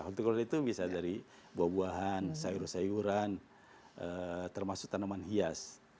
hortikuler itu bisa dari buah buahan sayur sayuran termasuk tanaman hias